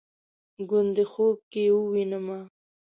ګوندې خوب کې ووینمه